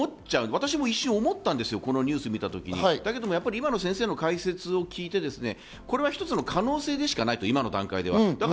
私も一瞬思った、このニュースを見たときにだけど今の先生の解説を聞いて、これは一つの可能性でしかないと今の段階では。